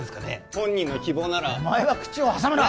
本人の希望ならお前は口を挟むな！